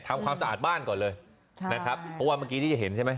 ทำความสะอาดบ้านก่อนเลยใช่นะครับเพราะว่าเมื่อกี้ที่จะเห็นใช่ไหม